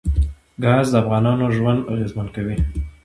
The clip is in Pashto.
ګاز د افغانانو ژوند اغېزمن کوي.